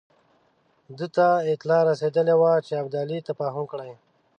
ده ته اطلاع رسېدلې وه چې ابدالي تفاهم کړی.